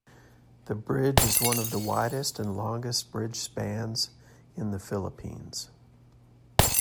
The bridge is one of the widest and longest bridge spans in the Philippines.